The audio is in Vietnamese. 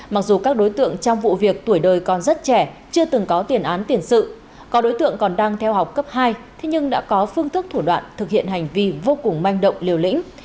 mặc dù các đối tượng trong vụ việc tuổi đời còn rất trẻ chưa từng có tiền án tiền sự có đối tượng còn đang theo học cấp hai thế nhưng đã có phương thức thủ đoạn thực hiện hành vi vô cùng manh động liều lĩnh